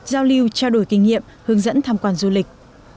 giao lưu trao đổi kinh nghiệm hướng dẫn tham quan du lịch